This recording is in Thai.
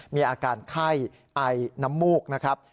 มีอาการไข้ไอน้ำมูกนะครับ